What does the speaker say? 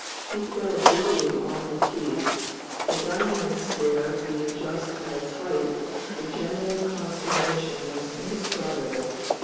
He fell bleeding on the quay. The dynamite scare being just at its height, the general consternation was indescribable.